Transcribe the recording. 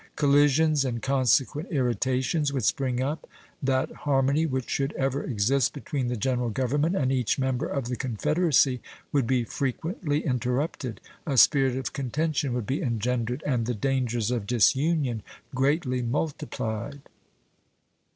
Collisions and consequent irritations would spring up; that harmony which should ever exist between the General Government and each member of the Confederacy would be frequently interrupted; a spirit of contention would be engendered and the dangers of disunion greatly multiplied.